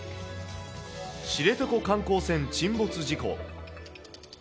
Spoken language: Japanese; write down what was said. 知床観光船沈没事故。